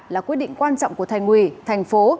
là quyết định quan trọng của thành ủy thành phố